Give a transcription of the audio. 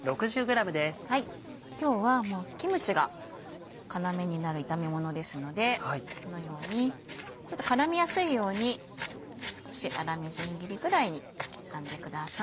今日はキムチが要になる炒めものですのでこのようにちょっと絡みやすいように少し粗みじん切りぐらいに刻んでください。